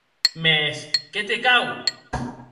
Mès qué te cau!